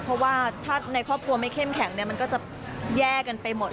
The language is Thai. เพราะว่าถ้าในครอบครัวไม่เข้มแข็งมันก็จะแย่กันไปหมด